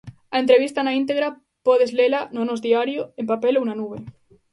A entrevista na íntegra podes lela no Nós Diario en papel ou na nube.